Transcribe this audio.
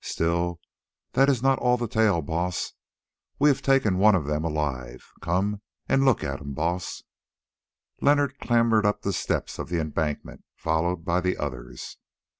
Still that is not all the tale, Baas. We have taken one of them alive. Come and look at him, Baas." Leonard clambered up the steps of the embankment, followed by the others.